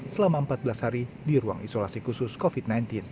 selama empat belas hari di ruang isolasi khusus covid sembilan belas